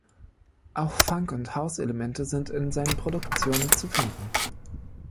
Auch Funk- und House-Elemente sind in seinen Produktionen zu finden.